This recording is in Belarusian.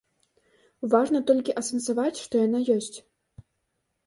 Важна толькі асэнсаваць, што яна ёсць.